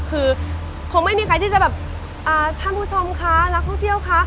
คือคงไม่มีใครที่จะแบบอ่าท่านผู้ชมคะนักท่องเที่ยวคะ